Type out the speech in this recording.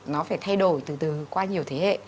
nó phải thay đổi từ qua nhiều thế hệ